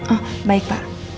oh baik pak